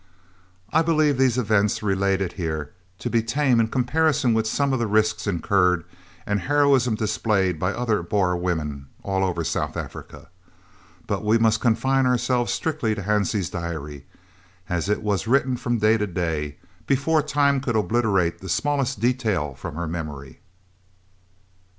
I believe the events related here to be tame in comparison with some of the risks incurred and heroism displayed by other Boer women all over South Africa, but we must confine ourselves strictly to Hansie's diary, as it was written from day to day, before time could obliterate the smallest detail from her memory.